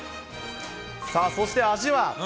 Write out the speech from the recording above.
さあ、そして味は。